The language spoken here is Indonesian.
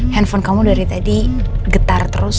handphone kamu dari tadi getar terus